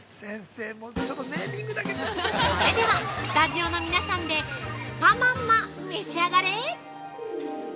◆それでは、スタジオの皆さんで、スパまんま、召し上がれ！